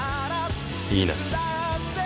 いいな？